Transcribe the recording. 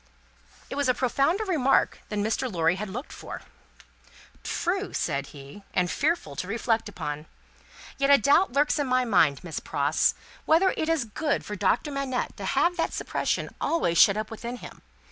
It was a profounder remark than Mr. Lorry had looked for. "True," said he, "and fearful to reflect upon. Yet, a doubt lurks in my mind, Miss Pross, whether it is good for Doctor Manette to have that suppression always shut up within him.